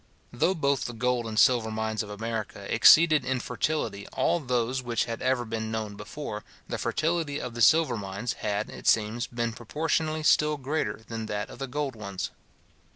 Though both the gold and silver mines of America exceeded in fertility all those which had ever been known before, the fertility of the silver mines had, it seems, been proportionally still greater than that of the gold ones.